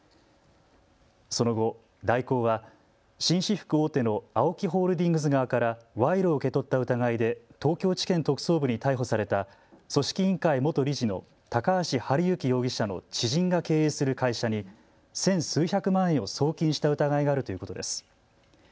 その後、大広は紳士服大手のＡＯＫＩホールディングス側から賄賂を受け取った疑いで東京地検特捜部に逮捕された組織委員会元理事の高橋治之容疑者の知人が経営する会社に千数百万円を送金した疑いがあるということです。